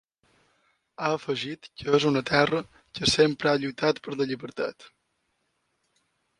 Ha afegit que és una terra que ‘sempre ha lluitat per la llibertat’.